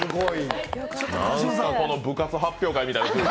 この部活発表会みたいなの。